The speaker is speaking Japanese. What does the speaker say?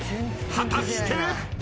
［果たして！？］